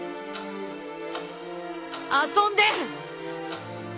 遊んで！